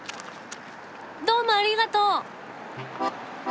どうもありがとう！